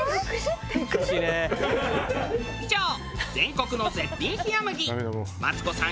以上全国の絶品冷麦マツコさん